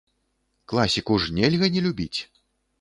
Класіку ж нельга не любіць!